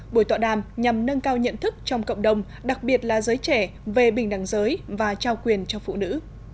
buổi tọa đàm nhằm nâng cao nhận thức trong cộng đồng đặc biệt là giới trẻ về bình đẳng giới và trao quyền cho phụ nữ